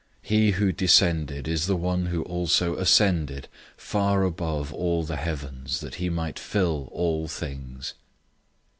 004:010 He who descended is the one who also ascended far above all the heavens, that he might fill all things.